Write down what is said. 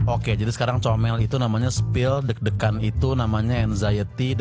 oke jadi sekarang comel itu namanya spill deg degan itu namanya anxiety